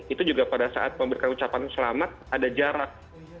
itu juga pada saat memberikan ucapan selamat ada jarak